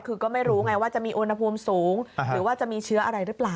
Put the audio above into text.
คือก็ไม่รู้ไงว่าจะมีอุณหภูมิสูงหรือว่าจะมีเชื้ออะไรหรือเปล่า